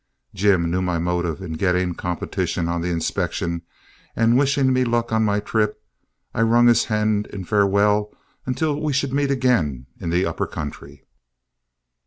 Jim knew my motive in getting competition on the inspection, and wishing me luck on my trip, I wrung his hand in farewell until we should meet again in the upper country.